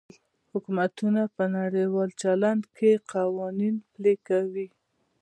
حکومتونه په نړیوال چلند کې قوانین پلي کوي